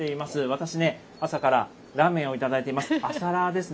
私ね、朝からラーメンを頂いています。